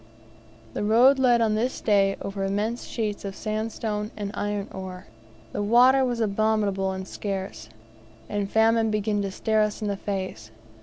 The road led on this day over immense sheets of sandstone and iron ore. The water was abominable, and scarce, and famine began to stare us in the face.